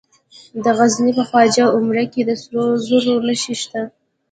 د غزني په خواجه عمري کې د سرو زرو نښې شته.